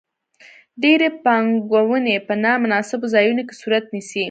ډېرې پانګونې په نا مناسبو ځایونو کې صورت نیسي.